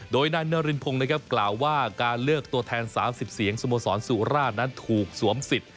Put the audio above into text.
โดยนายนารินพงศ์นะครับกล่าวว่าการเลือกตัวแทน๓๐เสียงสโมสรสุราชนั้นถูกสวมสิทธิ์